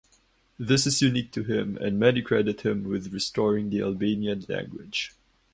This is unique to him and many credit him with restoring the Albanian language.